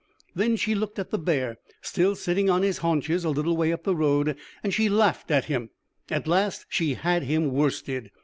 Then she looked at the bear, still sitting on his haunches a little way up the road, and she laughed at him. At last she had him worsted.